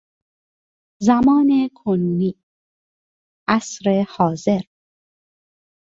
زمان کنونی، عصر حاضر